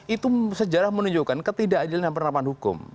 itu sejarah menunjukkan ketidakadilan dan penerapan hukum